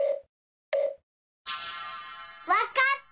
わかった！